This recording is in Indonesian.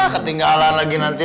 ketinggalan lagi nanti